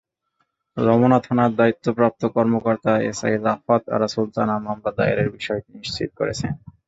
রমনা থানার দায়িত্বপ্রাপ্ত কর্মকর্তা এসআই রাফাত আরা সুলতানা মামলা দায়েরের বিষয়টি নিশ্চিত করেছেন।